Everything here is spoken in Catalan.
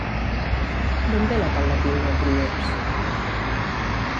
D'on ve l'apel·latiu de Dríops?